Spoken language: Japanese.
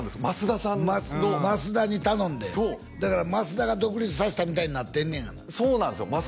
増田さんの増田に頼んでそうだから増田が独立させたみたいになってんねやそうなんですよ